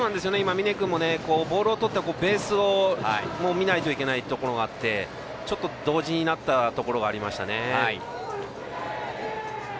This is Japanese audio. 峯君もボールをとって、ベースを見ないといけないところがあって同時になったところがありました。